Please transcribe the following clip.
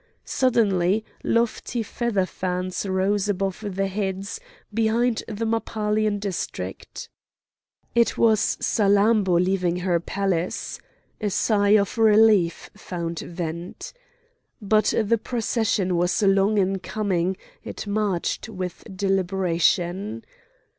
Suddenly lofty feather fans rose above the heads, behind the Mappalian district. It was Salammbô leaving her palace; a sigh of relief found vent. But the procession was long in coming; it marched with deliberation.